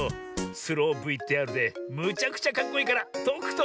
スローＶＴＲでむちゃくちゃかっこいいからとくとみてくれよ。